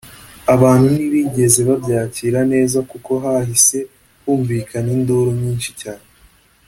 abantu ntibigeze babyakira neza kuko hahise humvikana induru nyinshi cyane